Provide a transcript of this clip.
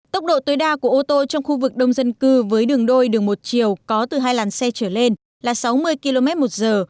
tốc độ tối đa của ô tô trong khu vực đông dân cư với đường đôi đường một chiều có từ hai làn xe trở lên là sáu mươi km một giờ